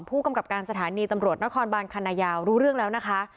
ผู้กำกับการสถานีตำรวจนครบานคันนายาวรู้เรื่องแล้วนะคะ